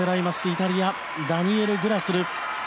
イタリア、ダニエル・グラスル。